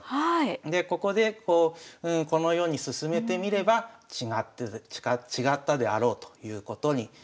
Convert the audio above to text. でここでこのように進めてみれば違ったであろうということになるわけですね。